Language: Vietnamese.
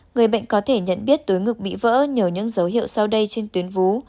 người bệnh có thể nhận biết túi ngực bị vỡ nhờ những dấu hiệu sau đây trên tuyến vú